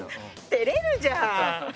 てれるじゃん。